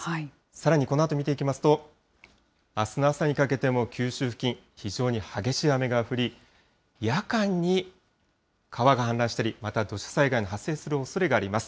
さらにこのあと見ていきますと、あすの朝にかけても九州付近、非常に激しい雨が降り、夜間に川が氾濫したり、また土砂災害の発生するおそれがあります。